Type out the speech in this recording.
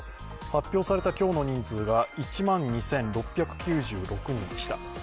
発表された今日の人数が１万２６９６人でした。